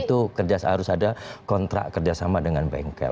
itu harus ada kontrak kerjasama dengan bengkel